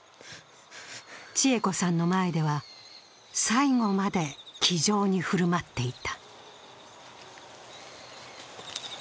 千栄子さんの前では最後まで気丈に振る舞っていた。